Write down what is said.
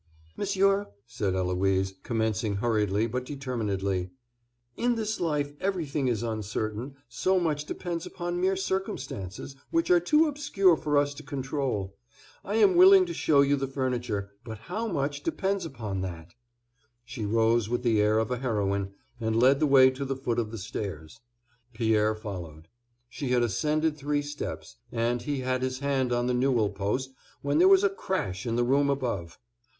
"Monsieur," said Eloise, commencing hurriedly but determinedly, "in this life everything is uncertain; so much depends upon mere circumstances, which are too obscure for us to control. I am willing to show you the furniture, but how much depends upon that!" She rose with the air of a heroine, and led the way to the foot of the stairs. Pierre followed. She had ascended three steps, and he had his hand on the newel post, when there was a crash in the room above.